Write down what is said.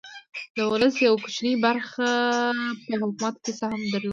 د ولس یوې کوچنۍ برخې په حکومت کې سهم درلود.